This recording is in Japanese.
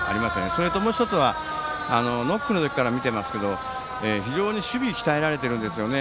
それと、もう１つはノックの時から見ていましたけど非常に守備が鍛えられているんですよね。